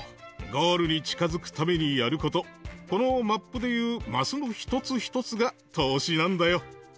ゴールに近づくたびにやること、このマップでいうマスの一つ一つが投資なんだよ。